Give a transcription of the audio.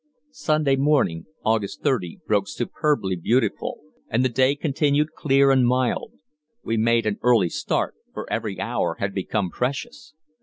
Sunday morning (August 30) broke superbly beautiful, and the day continued clear and mild. We made an early start; for every hour had become precious.